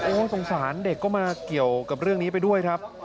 สงสารเด็กก็มาเกี่ยวกับเรื่องนี้ไปด้วยครับ